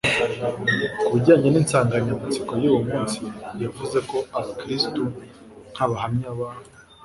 ku bijyanye n'insanganyamatsiko y'uwo munsi, yavuze ko abakristu nk'abahamya ba